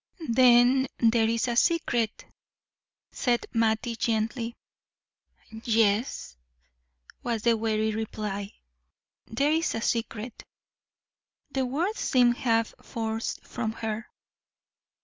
"Then there is a secret?" said Mattie, gently. "Yes," was the wary reply, "there is a secret." The words seemed half forced from her.